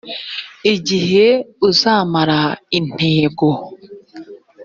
igihe uzamara intego